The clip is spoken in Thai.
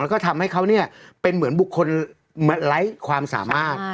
แล้วก็ทำให้เขาเป็นเหมือนบุคคลไร้ความสามารถ